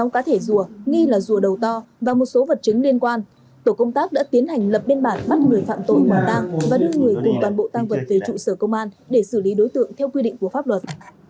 một mươi cá thể rùa nghi là rùa đầu to và một số vật chứng liên quan tổ công tác đã tiến hành lập biên bản bắt người phạm tội quả tang và đưa người cùng toàn bộ tang vật về trụ sở công an để xử lý đối tượng theo quy định của pháp luật